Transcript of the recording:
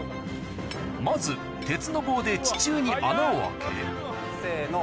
まず鉄の棒で地中に穴を開けせの。